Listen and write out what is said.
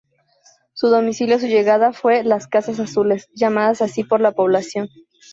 Su Domicilio a su llegada fue "Las Casas azules" llamadas así por la población.